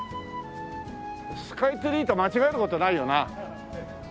スカイツリーと間違える事ないよな？